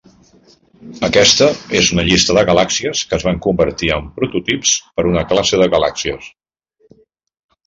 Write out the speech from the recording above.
Aquesta és una llista de galàxies que es van convertir en prototips per una classe de galàxies.